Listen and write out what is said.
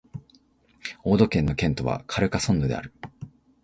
オード県の県都はカルカソンヌである